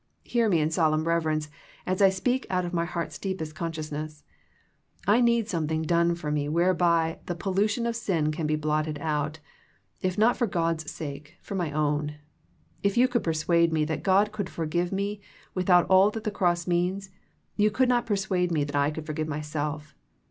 Hear me in solemn reverence as I speak out of my heart's deepest consciousness. I need something done for me whereby the pollution of sin can be blotted out, if not for God's sake for my own. If you could persuade me that God could forgive me without all that the Cross means, you could not persuade me that I could forgive myself.